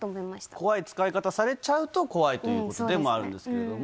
怖い使い方されちゃうと、怖いということでもあるんですけれども。